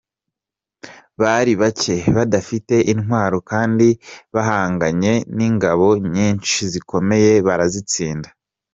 Bari bake, badafite intwaro kandi bahanganye n’ingabo nyinshi zikomeye barazitsinda.